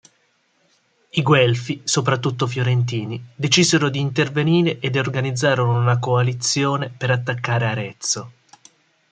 I Guelfi, soprattutto fiorentini, decisero di intervenire ed organizzarono una coalizione per attaccare Arezzo.